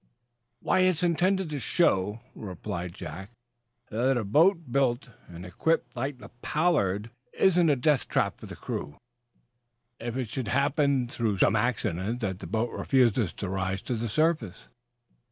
"Why, it's intended to show," replied Jack, "that a boat built and equipped like the 'Pollard' isn't a death trap for the crew, if it should happen, through some accident, that the boat refuses to rise to the surface."